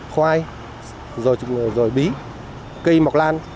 khoai rồi bí cây mọc lan